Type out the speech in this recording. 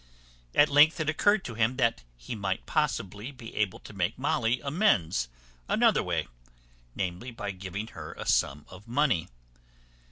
At length it occurred to him, that he might possibly be able to make Molly amends another way; namely, by giving her a sum of money.